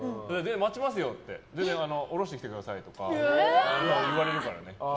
待ちますよ全然下ろしてくださいとか言われるからね。